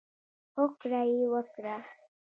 هوکړه یې وکړه.